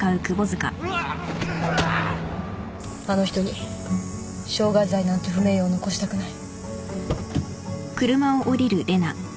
あの人に傷害罪なんて不名誉を残したくない。